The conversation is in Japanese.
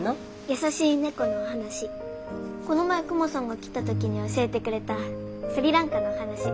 この前クマさんが来た時に教えてくれたスリランカのお話。